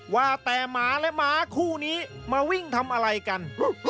ว่าแต่หมาและหมาคู่นี้มาวิ่งทำอะไรกัน